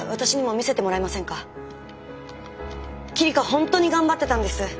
本当に頑張ってたんです。